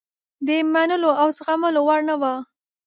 د منلو او زغملو وړ نه وه.